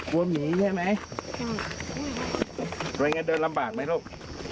กลัวหมีใช่ไหมใช่อะไรงั้นเดินลำบากไหมลูก